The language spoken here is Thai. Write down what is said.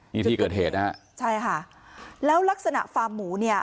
นี่ที่เกิดเหตุนะฮะใช่ค่ะแล้วลักษณะฟาร์มหมูเนี่ย